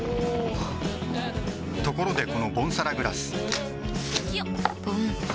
おおっところでこのボンサラグラス